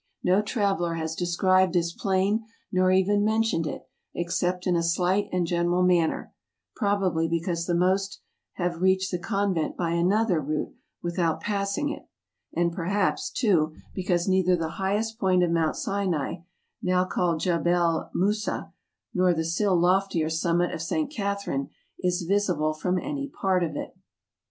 No traveller has described this plain, nor even men¬ tioned it, except in a slight and general manner, probably because the most have reached the convent by another route without passing it, and perhaps, too, because neither the highest point of ^Mount Sinai (now called Jabel Musa), nor the still loftier summit of St. Catherine, is visible from any part of it.